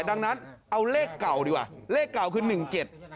ดังนั้นเอาเลขเก่าดีกว่าเลขเก่าคือ๑๗